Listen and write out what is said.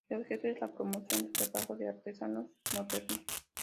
El objetivo es la promoción del trabajo de artesanos modernos.